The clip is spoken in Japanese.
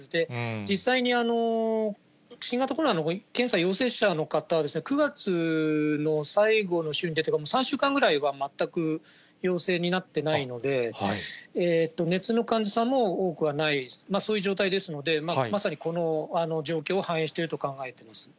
実際に新型コロナの検査陽性者の方は、９月の最後の週に出てから３週間ぐらいは全く陽性になってないので、熱の患者さんも多くはない、そういう状態ですので、まさにこの状況を反映していると考えています。